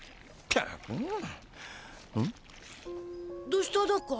どうしただか？